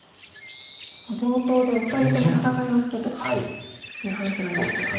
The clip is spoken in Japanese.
冒頭でお二人とも戦いは好きという話がありましたが。